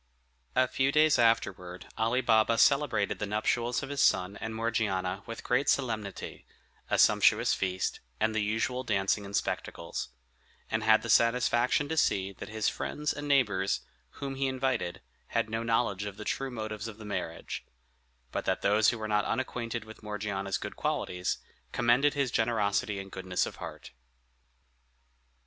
A few days afterward Ali Baba celebrated the nuptials of his son and Morgiana with great solemnity, a sumptuous feast, and the usual dancing and spectacles; and had the satisfaction to see that his friends and neighbors, whom he invited, had no knowledge of the true motives of the marriage; but that those who were not unacquainted with Morgiana's good qualities, commended his generosity and goodness of heart.